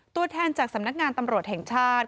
ตัวแทนจากสำนักงานตำรวจแห่งชาติ